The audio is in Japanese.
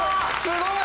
すごい。